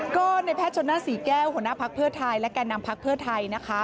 ก็ในแพทย์ชนหน้าศรีแก้วหัวหน้าภักดิ์เพื่อไทยและแก่นำพักเพื่อไทยนะคะ